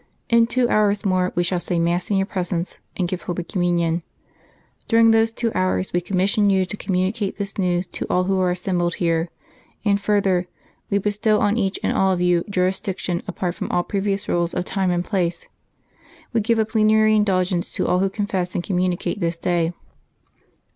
In two hours more We shall say mass in your presence, and give Holy Communion. During those two hours We commission you to communicate this news to all who are assembled here; and further, We bestow on each and all of you jurisdiction apart from all previous rules of time and place; we give a Plenary Indulgence to all who confess and communicate this day.